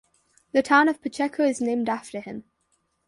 The town of Pacheco is named after him.